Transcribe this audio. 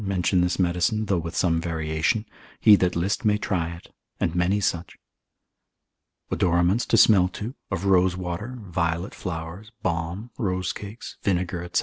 62, mention this medicine, though with some variation; he that list may try it, and many such. Odoraments to smell to, of rosewater, violet flowers, balm, rose cakes, vinegar, &c.